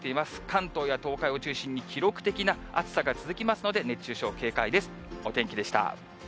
関東や東海を中心に、記録的な暑さが続きますので、熱中症警戒です。